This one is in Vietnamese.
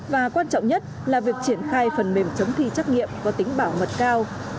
và quan trọng nhất là việc triển khai phần mềm chống thi chấp nghiệm có tính bảo mật cao